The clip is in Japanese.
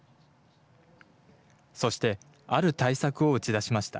そして、ある対策を打ち出しました。